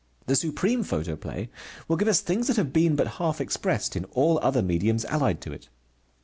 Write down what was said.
The supreme photoplay will give us things that have been but half expressed in all other mediums allied to it.